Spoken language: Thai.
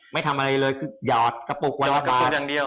ไม่ทำอะไรเลยคือหยอดกระปุกวันละบาท